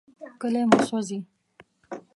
کلي مو سوځي.